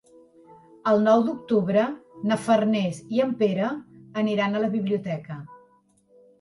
El nou d'octubre na Farners i en Pere aniran a la biblioteca.